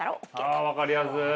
ああ分かりやすい。